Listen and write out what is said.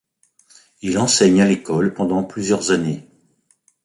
Il enseigne à l'école pendant plusieurs années.